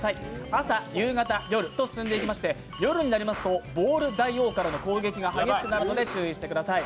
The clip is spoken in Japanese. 朝、夕方、夜と進んでいきまして夜になりますとボール大王からの攻撃が激しくなりますので注意してください。